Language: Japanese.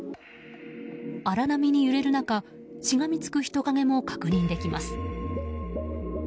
荒波に揺れる中しがみつく人影も確認できます。